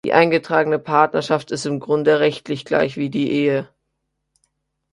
Die eingetragene Partnerschaft ist im Grunde rechtlich gleich wie die Ehe.